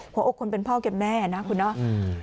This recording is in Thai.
หัวอกคนเป็นพ่อกับแม่นะคุณเนาะ